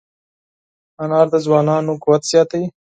انار د ځوانانو قوت زیاتوي.